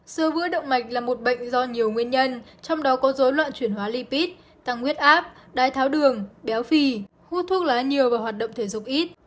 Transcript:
sơ vữa động mạch là một bệnh do nhiều nguyên nhân trong đó có dối loạn chuyển hóa lipid tăng huyết áp đái tháo đường béo phì hút thuốc lá nhiều và hoạt động thể dục ít